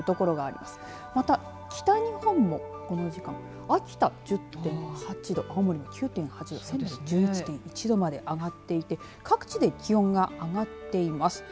また、北日本も秋田１０．８と青森も９．８度仙台も１１．１度まで上がっていて各地で気温が上がっています。